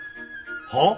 はっ？